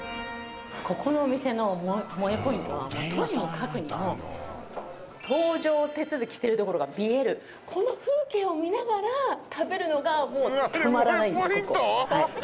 ここのお店の萌えポイントはとにもかくにも搭乗手続きしてるところが見えるこの風景を見ながら食べるのがもうたまらないんです